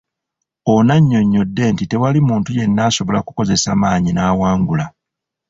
Ono annyonnyodde nti tewali muntu yenna asobola kukozesa maanyi n’awangula.